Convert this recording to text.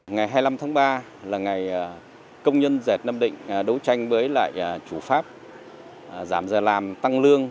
ngày hai mươi năm tháng ba là ngày công nhân dệt nam định đấu tranh với lại chủ pháp giảm giờ làm tăng lương